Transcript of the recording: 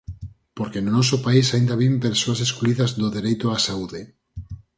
Porque no noso país aínda viven persoas excluídas do dereito á saúde.